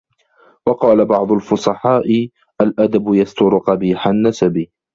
وَقَالَ بَعْضُ الْفُصَحَاءِ الْأَدَبُ يَسْتُرُ قَبِيحَ النَّسَبِ